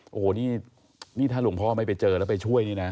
โอ้โหนี่ถ้าหลวงพ่อไม่ไปเจอแล้วไปช่วยนี่นะ